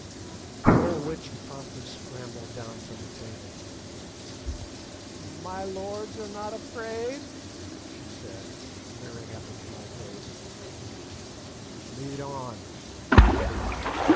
The old witch promptly scrambled down from the table. "My lords are not afraid?" she said, leering up into my face. "Lead on."